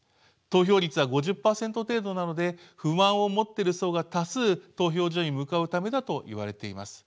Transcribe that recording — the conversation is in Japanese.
投票率は５０％程度なので不満を持ってる層が多数投票所に向かうためだといわれています。